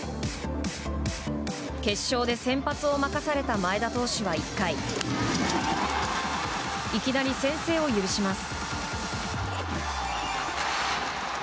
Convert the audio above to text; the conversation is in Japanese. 決勝で先発を任された前田投手は１回、いきなり先制を許します。